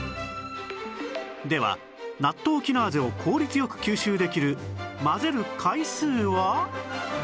ではナットウキナーゼを効率よく吸収できる混ぜる回数は？